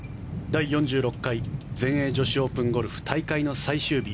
第４６回全英女子オープンゴルフ大会の最終日。